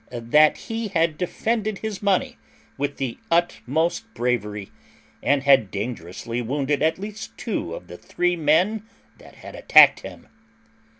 that he had defended his money with the utmost bravery, and had dangerously wounded at least two of the three men that had attacked him.